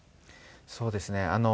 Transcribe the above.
そうですね。